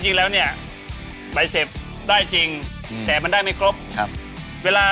จริงแล้วเนี่ยใบเซ็ปได้จริงแต่มันได้ไม่ครบ